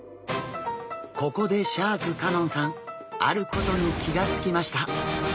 ここでシャーク香音さんあることに気が付きました。